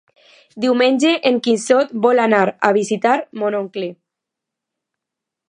Diumenge en Quixot vol anar a visitar mon oncle.